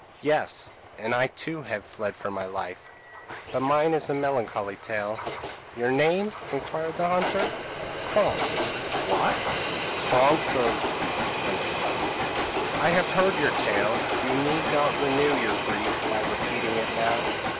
p> "'Yes; and I too have fled for my life. But mine is a melancholy tale.' "'Your name?' inquired the hunter. "'Krantz.' "'What! Krantz of ? I have heard your tale; you need not renew your grief by repeating it now.